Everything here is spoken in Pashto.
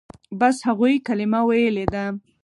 بس هغوى کلمه ويلې ده.